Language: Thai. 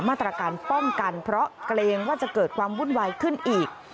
มาตรการป้องกันเพราะเกรงว่าจะเกิดความวุ่นวายขึ้นอีก